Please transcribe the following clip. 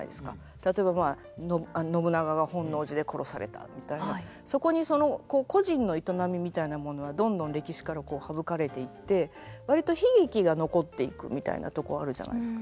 例えばまあ信長が本能寺で殺されたみたいなそこに個人の営みみたいなものはどんどん歴史から省かれていって割と悲劇が残っていくみたいなとこあるじゃないですか。